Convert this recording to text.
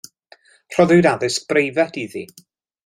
Rhoddwyd addysg breifat iddi.